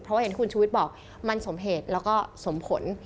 เพราะว่าอย่างที่คุณชุวิตบอกมันสมเหตุแล้วก็สมผล